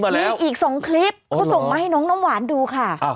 มาให้น้องน้องหวานดูค่ะ